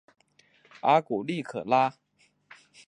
阿古利可拉。